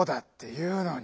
いうのに！